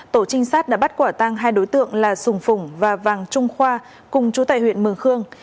tổ trinh sát đã bắt quả tang hai đối tượng là sùng phùng và vàng trung khoa cùng chú tại huyện mường khương